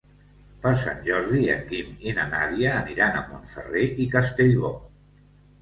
Per Sant Jordi en Guim i na Nàdia aniran a Montferrer i Castellbò.